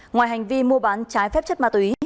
ngoài hành vi mua bán trái phép chất ma túy